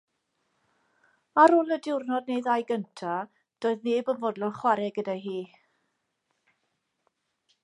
Ar ôl y diwrnod neu ddau gyntaf doedd neb yn fodlon chwarae gyda hi.